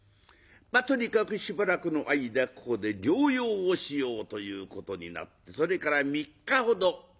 とにかくしばらくの間ここで療養をしようということになってそれから３日ほど。